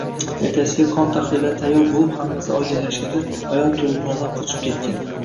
Ertasiga qon tahlillari tayyor bo`lib, hammasi oydinlashganda ayol tug`uruqxonadan qochib ketgan